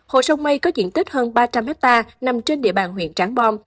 hồ sông mây có diện tích hơn ba trăm linh hectare nằm trên địa bàn huyện trảng bom